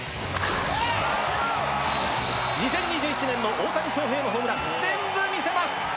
２０２１年の大谷翔平のホームラン全部見せます！